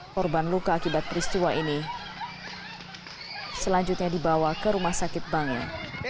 korban luka akibat peristiwa ini selanjutnya dibawa ke rumah sakit bangil